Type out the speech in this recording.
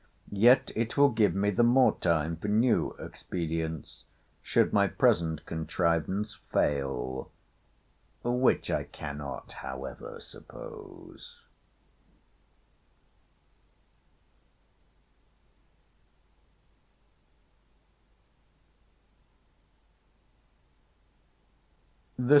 Yet it will give me the more time for new expedients, should my present contrivance fail; which I cannot however suppose.